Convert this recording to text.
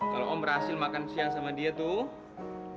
kalau om berhasil makan siang sama dia tuh